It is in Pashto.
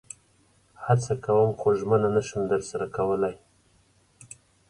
هڅه کوم خو ژمنه نشم درسره کولئ